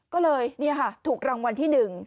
ก็เลยนี่ค่ะถูกรางวัลที่หนึ่ง